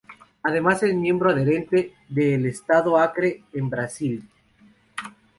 Además, es miembro adherente el Estado de Acre en Brasil.